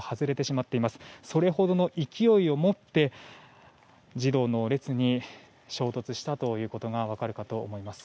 それほどの勢いを持って児童の列に衝突したということが分かるかと思います。